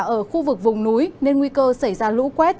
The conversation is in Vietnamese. ở khu vực vùng núi nên nguy cơ xảy ra lũ quét